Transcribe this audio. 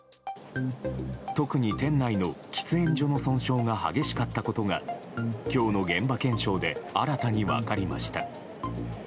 特に店内の喫煙所の損傷が激しかったことが今日の現場検証で新たに分かりました。